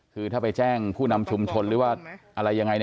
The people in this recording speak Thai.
คือถ้าไปแจ้งผู้นำชุมชนหรือว่าอะไรยังไง